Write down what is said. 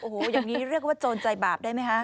โอ้โหอย่างนี้เรียกว่าโจรใจบาปได้ไหมคะ